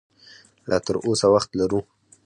لا تراوسه وخت لرو